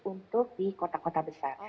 untuk di kota kota besar